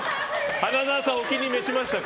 花澤さん、お気に召しましたか。